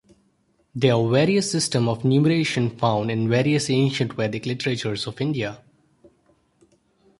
There are various systems of numeration found in various ancient Vedic literatures of India.